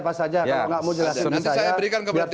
nanti saya berikan ke berarti tim